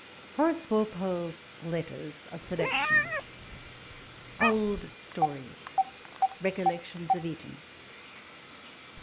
HORACE WALPOLE'S LETTERS. A SELECTION. OLD STORIES— RECOLLECTIOyS OF ETON.